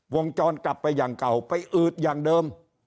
วงจรกลับไปอย่างเก่าไปอืดอย่างเดิม